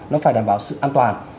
nó phải đảm bảo sự an toàn